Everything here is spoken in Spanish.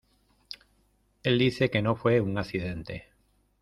Él dice que no fue un accidente.